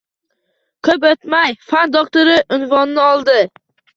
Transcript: Ko‘p o‘tmay, fan doktori unvonini oldi